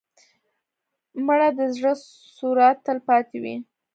مړه د زړه سوره تل پاتې وي